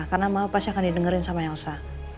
karena mama pasti akan didengerin sama elsa